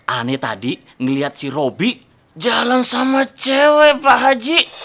aneh tadi ngeliat si roby jalan sama cewek pak haji